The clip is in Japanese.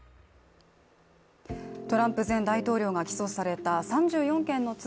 トランプ前大統領が起訴された３４件の罪。